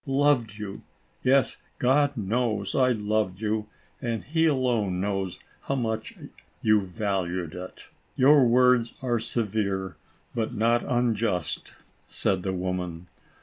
Loved you ! Yes, God knows I loved you, and he alone knows how much you valued it !" "Your words are severe, but not unjust," said the woman.